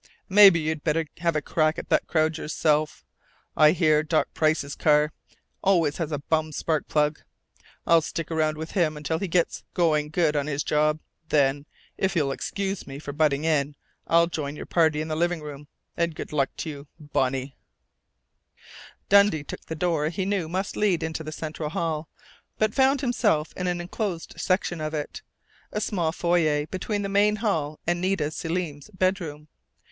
"Maybe you'd better have a crack at that crowd yourself. I hear Doc Price's car always has a bum spark plug. I'll stick around with him until he gets going good on his job; then, if you'll excuse me for butting in, I'll join your party in the living room.... And good luck to you, Bonnie!" Dundee took the door he knew must lead into the central hall, but found himself in an enclosed section of it a small foyer between the main hall and Nita Selim's bedroom.